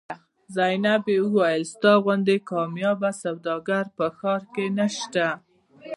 زینبې وویل ستا غوندې کاميابه سوداګر په ښار کې نشته.